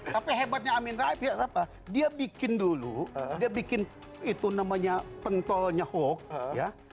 tapi hebatnya amin rais dia bikin dulu dia bikin itu namanya pengtoanya hoax